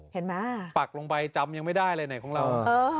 เห็นไหมปักลงไปจำยังไม่ได้เลยไหนของเรา